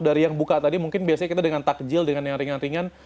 dari yang buka tadi mungkin biasanya kita dengan takjil dengan yang ringan ringan